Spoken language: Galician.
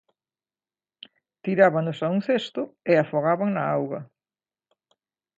Tirábanos a un cesto e afogaban na auga.